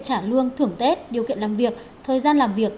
trả lương thưởng tết điều kiện làm việc thời gian làm việc